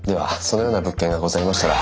そのような物件がございましたら。